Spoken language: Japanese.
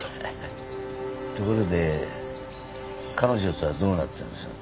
ところで彼女とはどうなったんです？